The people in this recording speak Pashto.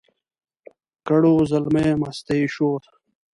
کړو زلمیو مستي شور